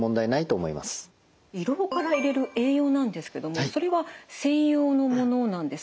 胃ろうから入れる栄養なんですけどもそれは専用のものなんですか？